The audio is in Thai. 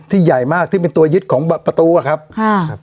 ที่ใหญ่มากที่เป็นตัวยึดของประตูอ่ะครับอ่า